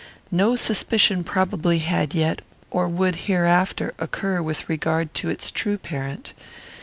No suspicion probably had yet, or would hereafter, occur with regard to its true parent.